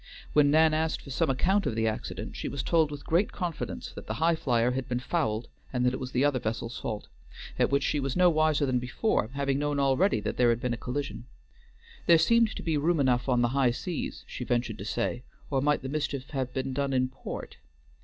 When Nan asked for some account of the accident, she was told with great confidence that the Highflyer had been fouled, and that it was the other vessel's fault; at which she was no wiser than before, having known already that there had been a collision. There seemed to be room enough on the high seas, she ventured to say, or might the mischief have been done in port?